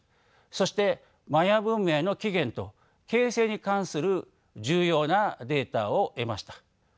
そしてマヤ文明の起源と形成に関する重要なデータを得ました。